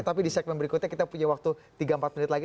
tapi di segmen berikutnya kita punya waktu tiga empat menit lagi